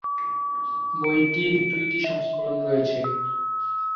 বইটির দুইটি সংস্করণ রয়েছে।